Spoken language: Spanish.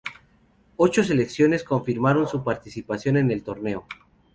Ocho selecciones confirmaron su participación en el torneo.